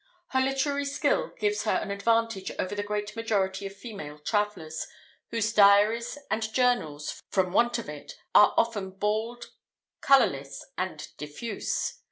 Her literary skill gives her an advantage over the great majority of female travellers, whose diaries and journals, from want of it, are often bald, colourless, and diffuse.